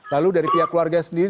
lalu dari pihak keluarga sendiri